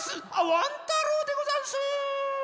ワン太郎でござんす。